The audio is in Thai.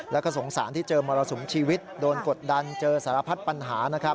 แล้วก็สงสารที่เจอมรสุมชีวิตโดนกดดันเจอสารพัดปัญหานะครับ